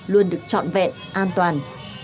luôn được trọn vẹn an toàn